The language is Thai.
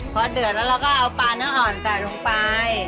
พอเดือดแล้วเราก็เอาปลาเนื้ออ่อนใส่ลงไป